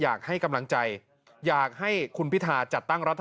หลายฝ่ายกกว่าอาจจะเป็นตัวสอดแทรกมารับตำแหน่งนายก